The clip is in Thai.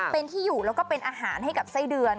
เป็นที่อยู่แล้วก็เป็นอาหารให้กับไส้เดือน